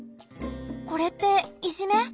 これっていじめ？